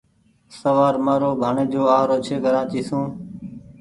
شوآر مآرو ڀآڻيجو آ رو ڇي ڪرآچي سون